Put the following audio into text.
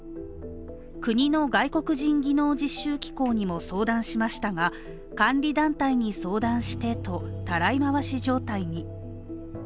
国の外国人技能実習機構にも相談しましたが監理団体に相談してと、たらい回し状態に。